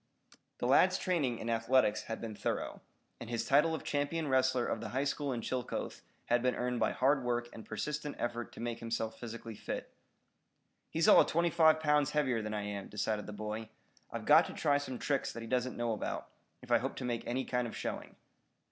The lad's training in athletics had been thorough, and his title of champion wrestler of the high school in Chillicothe had been earned by hard work and persistent effort to make himself physically fit. "He's all of twenty five pounds heavier than I am," decided the boy. "I've got to try some tricks that he doesn't know about, if I hope to make any kind of showing."